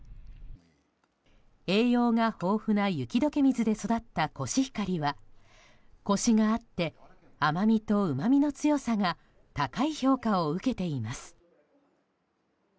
栄養が豊富な雪解け水で育ったコシヒカリはコシがあって甘みとうまみの強さが高い評価を受けています。